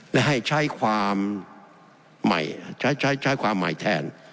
และให้ใช้ความใหม่แทน